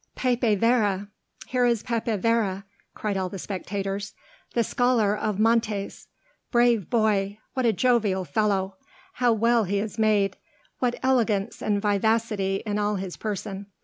"Pepe Vera! here is Pepe Vera!" cried all the spectators. "The scholar of Montés! Brave boy! What a jovial fellow! how well he is made! what elegance and vivacity in all his person!